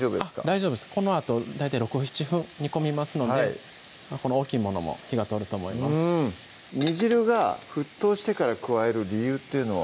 大丈夫ですこのあと大体６７分煮込みますのでこの大きいものも火が通ると思います煮汁が沸騰してから加える理由っていうのは？